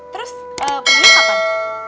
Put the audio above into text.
terus pergi kapan